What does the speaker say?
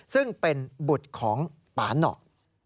ซึ่งเป็นบุตรของปาหนอ